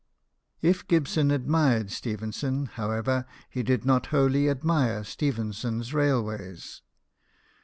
If Gibson admired Stephenson, however, he did not wholly admire Stephenson's railways.